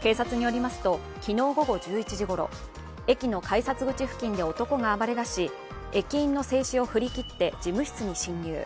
警察によりますと、昨日午後１１時ごろ駅の改札口付近で男が暴れ出し、駅員の制止を振り切って事務室に侵入。